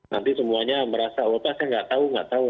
nanti semuanya merasa oh pak saya nggak tahu nggak tahu